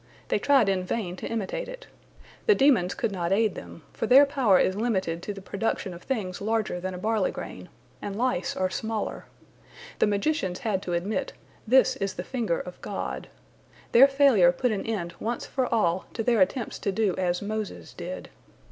They tried in vain to imitate it. The demons could not aid them, for their power is limited to the production of things larger than a barley grain, and lice are smaller. The magicians had to admit, "This is the finger of God." Their failure put an end once for all to their attempts to do as Moses did.